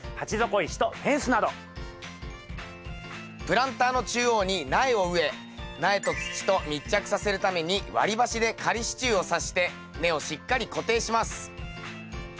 プランターの中央に苗を植え苗と土と密着させるために割り箸で仮支柱をさして根をしっかり固定します。